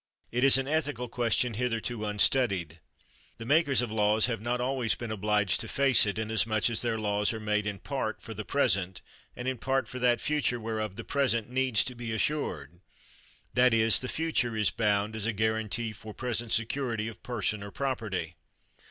It is an ethical question hitherto unstudied. The makers of laws have not always been obliged to face it, inasmuch as their laws are made in part for the present, and in part for that future whereof the present needs to be assured that is, the future is bound as a guaranty for present security of person or property.